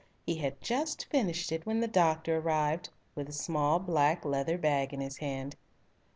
He had just finished it when the doctor arrived, with a small black leather bag in his hand.